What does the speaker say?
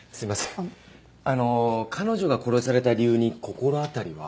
あの彼女が殺された理由に心当たりは？